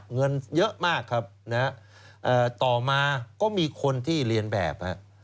เงินเยอะมากครับต่อมาก็มีคนที่เรียนแบบ